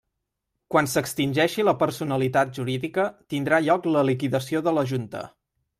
Quan s'extingeixi la personalitat jurídica, tindrà lloc la liquidació de la Junta.